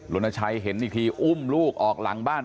รณชัยเห็นอีกทีอุ้มลูกออกหลังบ้าน